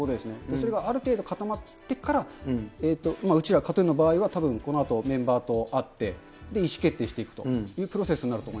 それがある程度固まってから、うちら、ＫＡＴ−ＴＵＮの場合はたぶん、このあとメンバーと会って、意思決定していくというプロセス